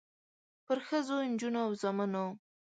پرښخو، نجونو او زامنو